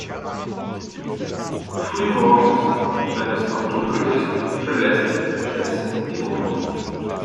Früh morgens, wenn es noch dunkel ist, verlässt Tess die Wohnung.